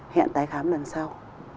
hẹn tái khám lần sau